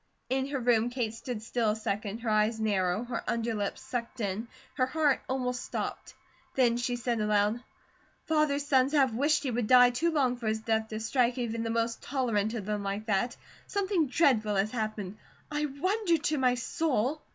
In her room Kate stood still a second, her eyes narrow, her underlip sucked in, her heart almost stopped. Then she said aloud: "Father's sons have wished he would die too long for his death to strike even the most tolerant of them like that. Something dreadful has happened. I wonder to my soul